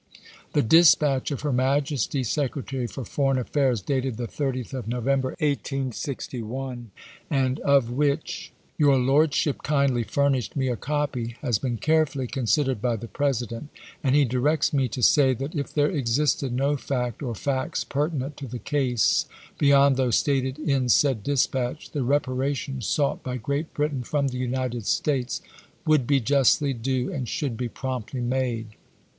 T})(! dispatch of her Majesty's Secrcitary for Foreign Affairs, dated the 30th of November, 1861, and of which KEAK ADMIKAL CHAKLKS WILKES. THE " TRENT" AFFAIE 33 your Lordship kindly furnished me a copy, has been chap. ii. carefully considered by the President ; and he directs me to say that if there existed no fact or facts pertinent to the case, beyond those stated in said dispatch, the rep aration sought by Great Britain from the United States would be justly due, and should be promptly made.